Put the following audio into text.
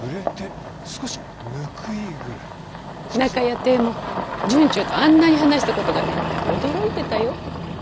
なかやていも惇忠とあんなに話したことがねえって驚いてたよ。